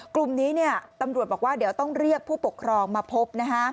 กลุ่มนี้ตำรวจบอกว่าเดี๋ยวต้องเรียกผู้ปกครองมาพบ